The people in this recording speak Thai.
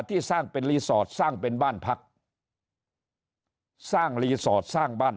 ที่สร้างเป็นรีสอร์ทสร้างเป็นบ้านพักสร้างรีสอร์ทสร้างบ้าน